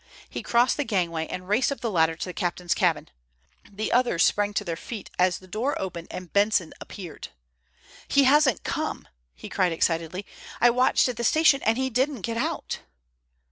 He crossed the gangway and raced up the ladder to the captain's cabin. The others sprang to their feet as the door opened and Benson appeared. "He hasn't come!" he cried excitedly. "I watched at the station and he didn't get out!"